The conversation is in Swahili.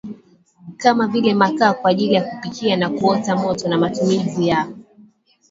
kama vile makaa kwa ajili ya kupikia na kuota moto na matumizi ya